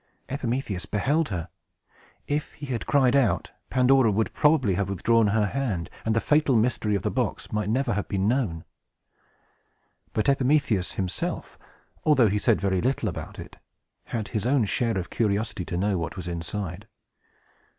Epimetheus beheld her. If he had cried out, Pandora would probably have withdrawn her hand, and the fatal mystery of the box might never have been known. But Epimetheus himself, although he said very little about it, had his own share of curiosity to know what was inside.